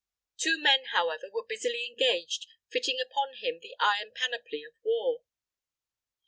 Two men, however, were busily engaged fitting upon him the iron panoply of war.